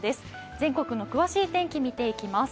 全国の詳しい天気を見ていきます。